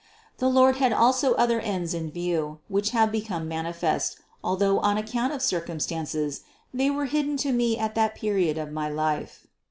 The Lord had also other ends in view, which have become manifest, although, on account of circumstances, they were hidden to me at that period of my life.